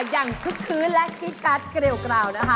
อย่างคึกคือและคิดกัดเกรียวกราว